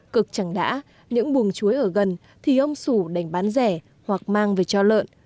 cực chẳng đã những bùng chuối ở gần thì ông sủ đành bán rẻ hoặc mang về cho lợn